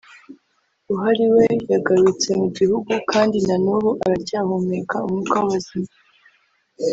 Buhari we yagarutse mu gihugu kandi na n’ubu aracyahumeka umwuka w’abazima